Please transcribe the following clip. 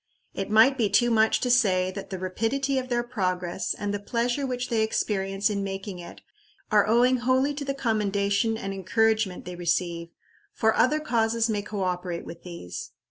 It might be too much to say that the rapidity of their progress and the pleasure which they experience in making it, are owing wholly to the commendation and encouragement they receive for other causes may co operate with these.